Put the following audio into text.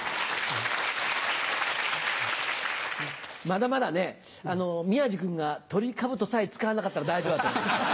まだまだね宮治君がトリカブトさえ使わなかったら大丈夫だと思います。